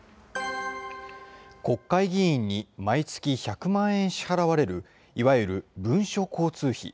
国会議員に毎月１００万円支払われるいわゆる文書交通費。